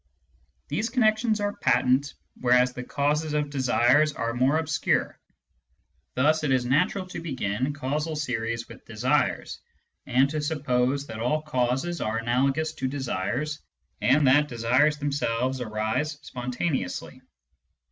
These connections are patent, whereas the causes of desires are more obscure. Thus it is natural to begin causal series with desires, to suppose that all causes are analogous to desires, and that desires themselves arise spontaneously.